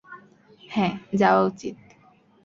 হ্যাঁ, যাওয়া উচিত।